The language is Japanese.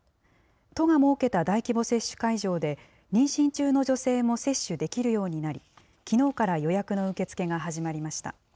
都が設けた大規模接種会場で、妊娠中の女性も接種できるようになり、きのうから予約の受け付けが始まりました。